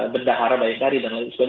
bendahara bayangkari dan lain sebagainya